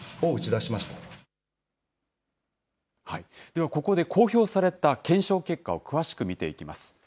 では、ここで公表された検証結果を詳しく見ていきます。